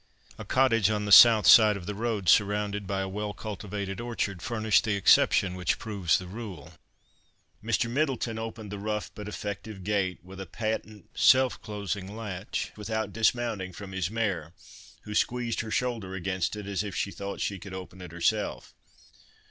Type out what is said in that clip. A cottage on the south side of the road surrounded by a well cultivated orchard furnished the exception which proves the rule. Mr. Middleton opened the rough but effective gate, with a patent self closing latch, without dismounting from his mare, who squeezed her shoulder against it, as if she thought she could open it herself.